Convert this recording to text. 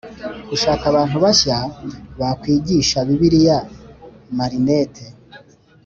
Gushaka abantu bashya bakwigisha bibiliya marinette